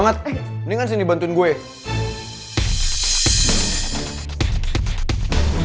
gak enak sama tuan bumanya